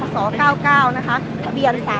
สวัสดีครับ